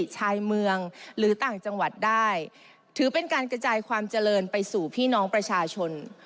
ชายเมืองหรือต่างจังหวัดได้ถือเป็นการกระจายความเจริญไปสู่พี่น้องประชาชน